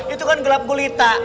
itu kan gelap gulita